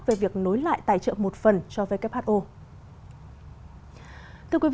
về việc nối lại tài trợ một phần cho who